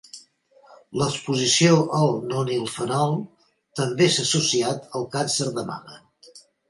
L'exposició al nonilfenol també s'ha associat al càncer de mama.